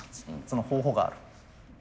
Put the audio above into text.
その方法がある。